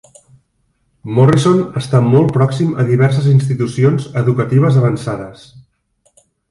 Morrison està molt pròxim a diverses institucions educatives avançades.